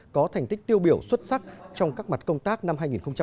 có thành tích tiêu biểu xuất sắc trong các mặt công tác năm hai nghìn một mươi chín